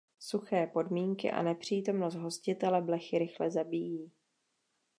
Suché podmínky a nepřítomnost hostitele blechy rychle zabíjí.